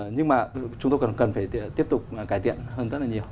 nhưng mà chúng tôi còn cần phải tiếp tục cải tiện hơn rất là nhiều